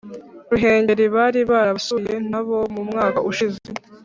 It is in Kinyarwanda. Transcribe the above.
ruhengeri, bari barabasuyenabo mu mwaka ushize